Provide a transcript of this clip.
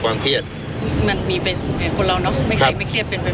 เครียดมันมีเป็นคนเราเนอะไม่เคยไม่เครียดเป็นไป